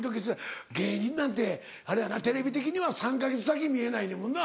芸人なんてあれやなテレビ的には３か月先見えないねんもんな。